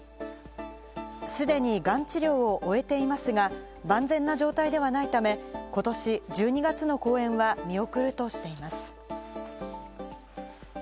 既に、がん治療を終えていますが、万全な状態ではないため、ことし、１２月の公演は見送るとしています。